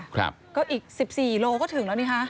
ครับก็อีก๑๔โลก็ถึงแล้วนี่ฮะ